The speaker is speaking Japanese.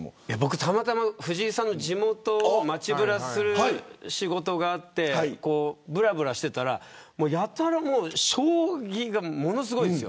たまたま藤井さんの地元を街ぶらする仕事があってぶらぶらしていたらやたら将棋がものすごいんです。